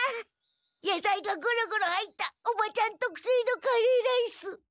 やさいがゴロゴロ入ったおばちゃんとくせいのカレーライス。